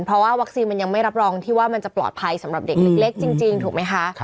เพราะว่าวัคซีนมันยังไม่รับรองที่ว่ามันจะปลอดภัยสำหรับเด็กเล็กจริงถูกไหมคะ